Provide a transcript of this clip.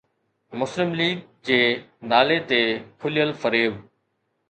مسلم ليگ جي نالي تي کليل فريب.